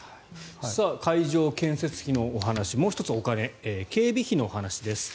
会場建設費のお話もう１つ、お金警備費のお話です。